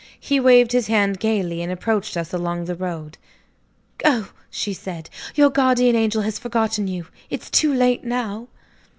He waved his hand gaily, and approached us along the road. "Go!" she said. "Your guardian angel has forgotten you. It's too late now."